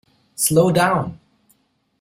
Slow down!